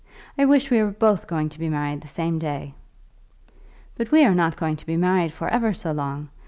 I wish we were both going to be married the same day." "But we are not going to be married for ever so long.